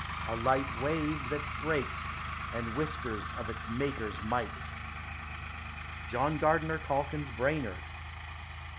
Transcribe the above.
— a light wave, That breaks, and whispers of its Maker's might. JOHN GARDINER CALKINS BBAINARD.